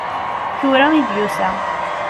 Tura i d-yusa.